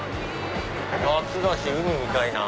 夏だし海見たいな。